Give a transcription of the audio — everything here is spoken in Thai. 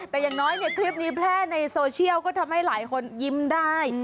แต่อย่างน้อยเนี่ยคลิปนี้แพร่ในโซเชียลก็ทำให้หลายคนยิ้มได้